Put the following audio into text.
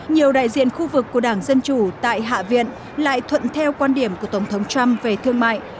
nhiều đại diện khu vực của đảng dân chủ tại hạ viện lại thuận theo quan điểm của tổng thống trump về thương mại